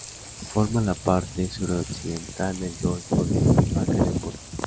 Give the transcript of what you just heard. Forma la parte suroccidental del golfo de Mecklemburgo.